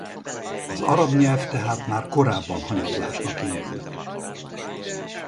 Az arab nyelv tehát már korábban hanyatlásnak indult.